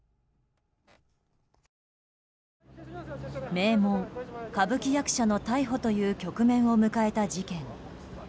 名門歌舞伎役者の逮捕という局面を迎えた事件。